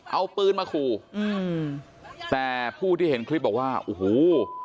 เอาปืนมาขู่อืมแต่ผู้ที่เห็นคลิปบอกว่าโอ้โห